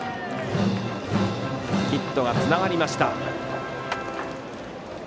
ヒットがつながりました。